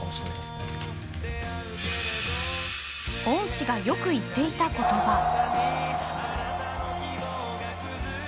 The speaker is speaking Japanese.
恩師がよく言っていた言葉。